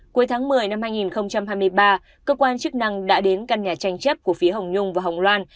cuối tháng một mươi năm hai nghìn hai mươi ba cơ quan chức năng đã đến căn nhà tranh chấp của phía hồng nhung và hồng loan